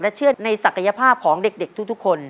เชื่อในศักยภาพของเด็กทุกคน